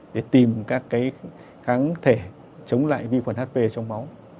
để tìm các kháng thể chống lại vi khuẩn hp trong máu